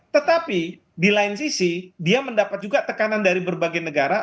tetapi di lain sisi dia mendapat juga tekanan dari berbagai negara